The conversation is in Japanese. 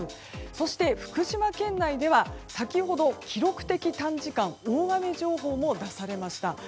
そして、福島県内では先ほど記録的短時間大雨情報も出されました。